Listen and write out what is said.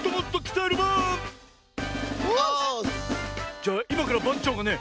じゃあいまからばんちょうがね